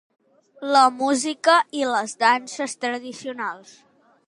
La música i les danses tradicionals.